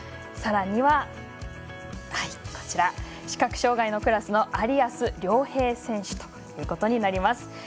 さらには視覚障がいのクラスの有安諒平選手ということになります。